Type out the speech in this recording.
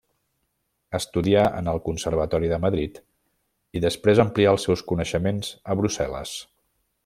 Estudià en el Conservatori de Madrid i després amplià els seus coneixements a Brussel·les.